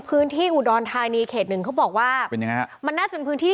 พื้นที่อุดรธานีเขตหนึ่งเขาบอกว่าเป็นยังไงฮะมันน่าจะเป็นพื้นที่